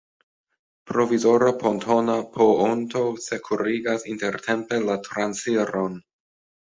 Provizora pontona poonto sekurigis intertempe la transiron.